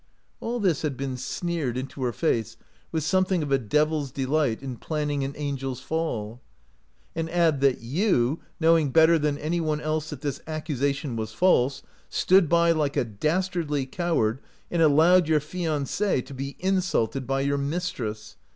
All this had been sneered into her face with something of a deviPs delight in plan ning an angel's fall. " And add that you, knowing better than any one else that this accusation was false, stood by like a dastardly coward and al lowed your fiancee to be insulted by your mistress.